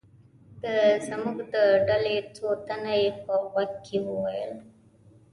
د زموږ د ډلې څو تنه یې په غوږ کې و ویل.